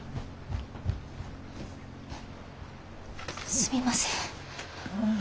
すみません。